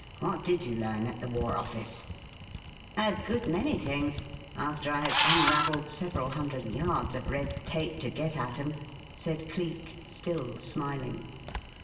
What did you learn at the War Office?" "A good many things after I had unravelled several hundred yards of red tape to get at 'em," said Cleek, still smiling.